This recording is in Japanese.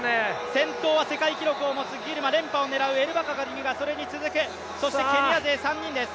先頭は世界記録を持つギルマ、連覇を狙うエルバカリそれに続く、そしてケニア勢３人です。